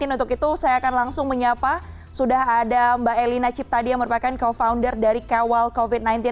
untuk itu saya akan langsung menyapa sudah ada mbak elina ciptadi yang merupakan co founder dari kawal covid sembilan belas